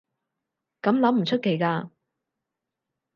噉諗唔出奇㗎